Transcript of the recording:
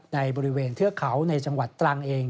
ในบริเวณเทือกเขาในจังหวัดตรังเอง